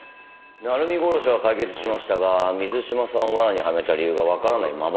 鳴海殺しは解決しましたが水島さんを罠にはめた理由がわからないままなんですよね。